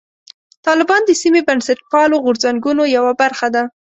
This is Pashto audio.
طالبان د سیمې بنسټپالو غورځنګونو یوه برخه ده.